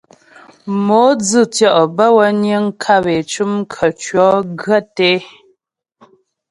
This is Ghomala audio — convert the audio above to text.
Mo dzʉtʉɔ bə́ wə niŋ kap é cʉm khətʉɔ̌ gwə́ té.